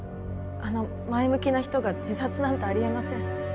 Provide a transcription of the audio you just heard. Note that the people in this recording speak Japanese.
あの前向きな人が自殺なんてあり得ません。